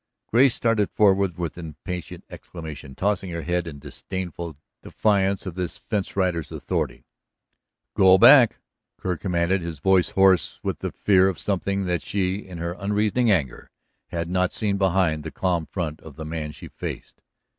Grace started forward with impatient exclamation, tossing her head in disdainful defiance of this fence rider's authority. "Go back!" Kerr commanded, his voice hoarse with the fear of something that she, in her unreasoning anger, had not seen behind the calm front of the man she faced.